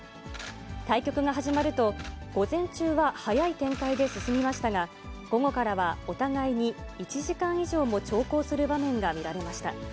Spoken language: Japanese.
対局が始まると、午前中は早い展開で進みましたが、午後からはお互いに１時間以上も長考する場面が見られました。